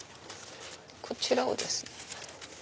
こちらをですね